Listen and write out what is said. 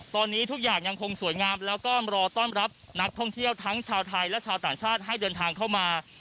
ตอนนี้ทุกอย่างยังคงสวยงามแล้วก็รอต้อนรับนักท่องเที่ยวทั้งชาวไทยและชาวต่างชาติให้เดินทางเข้ามา